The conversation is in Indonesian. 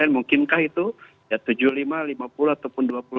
mungkinkah itu ya tujuh puluh lima lima puluh ataupun dua puluh lima